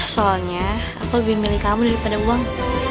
soalnya aku lebih milih kamu daripada buang